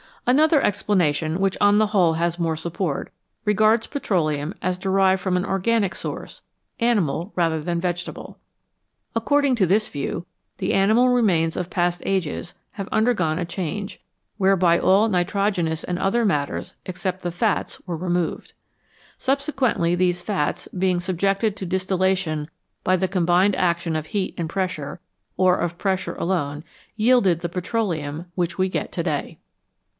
Another explanation, which on the whole has more support, regards petroleum as derived from an organic source, animal rather than vegetable. According to this view, the animal remains of past ages have under gone a change, whereby all nitrogenous and other matters, except the fats, were removed. Subsequently these fats, being subjected to distillation by the combined action of heat and pressure, or of pressure alone, yielded the petroleum which we get to day.